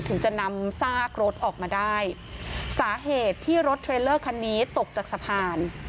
ถึงจะนำซากรถออกมาได้สาเหตุที่รถเทรลเลอร์คันนี้ตกจากสะพาน